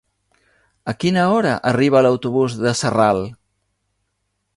A quina hora arriba l'autobús de Sarral?